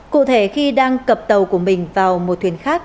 cụ thể khi đang cập tàu của mình vào một thuyền khác